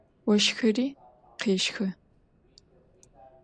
Ощхыри къещхы.